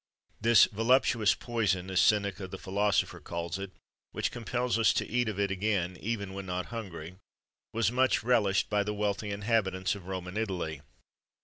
This "voluptuous poison," as Seneca, the philosopher,[XXIII 113] calls it, which compels us to eat of it again, even when not hungry,[XXIII 114] was much relished by the wealthy inhabitants of Rome and Italy.